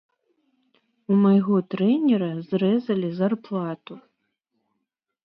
У майго трэнера зрэзалі зарплату.